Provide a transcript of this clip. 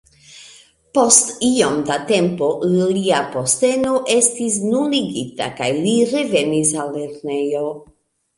Post iom da tempo lia posteno estis nuligita kaj li revenis al lernejoj.